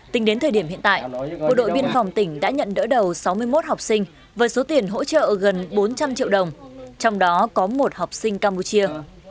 tính đến thời điểm hiện tại bộ đội biên phòng tỉnh đã nhận đỡ đầu sáu mươi một học sinh với số tiền hỗ trợ gần bốn trăm linh triệu đồng trong đó có một học sinh campuchia